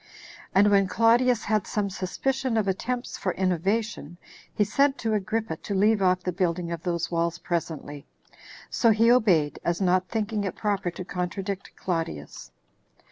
And when Claudius had some suspicion of attempts for innovation, he sent to Agrippa to leave off the building of those walls presently. So he obeyed, as not thinking it proper to contradict Claudius.